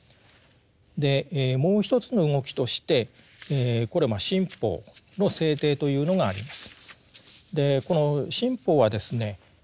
でもう一つの動きとしてこれ新法の制定というのがあります。